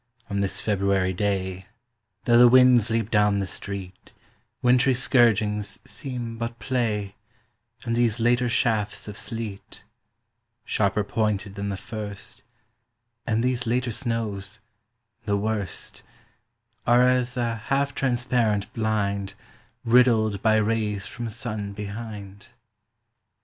On this February day, Though the winds leap down the street, Wintry scourgings seem but play, And these later shafts of sleet —Sharper pointed than the first— And these later snows—the worst— Are as a half transparent blind Riddled by rays from sun behind.